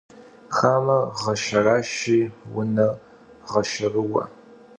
Xamer ğeşşeraşşi vuner ğeşşerıue.